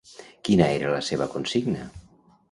Quina era la seva consigna?